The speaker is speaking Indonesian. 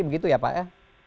begitu ya pak ya